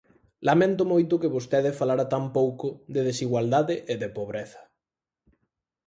Lamento moito que vostede falara tan pouco de desigualdade e de pobreza.